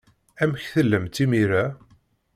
Amek tellamt imir-a?